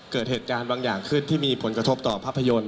เกิดเหตุการณ์บางอย่างขึ้นที่มีผลกระทบต่อภาพยนตร์